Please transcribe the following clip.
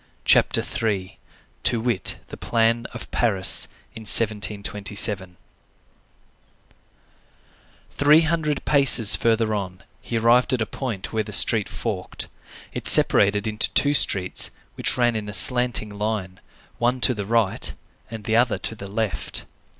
CHAPTER III—TO WIT, THE PLAN OF PARIS IN 1727 Three hundred paces further on, he arrived at a point where the street forked. It separated into two streets, which ran in a slanting line, one to the right, and the other to the left.